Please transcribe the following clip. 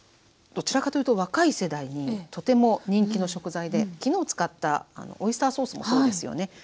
どちらかというと若い世代にとても人気の食材で昨日使ったオイスターソースもそうですよね。